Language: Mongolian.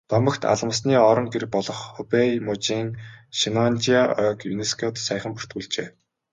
Домогт алмасны орон гэр болох Хубэй мужийн Шеннонжиа ойг ЮНЕСКО-д саяхан бүртгүүлжээ.